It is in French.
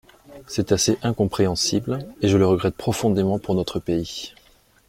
C’est assez incompréhensible, et je le regrette profondément pour notre pays.